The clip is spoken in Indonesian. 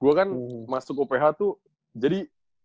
gue kan masuk uph tuh jadi